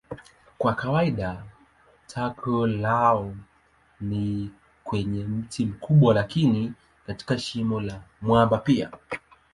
Kwa kawaida tago lao ni kwenye mti mkubwa lakini katika shimo la mwamba pia.